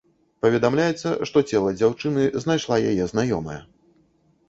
Паведамляецца, што цела дзяўчыны знайшла яе знаёмая.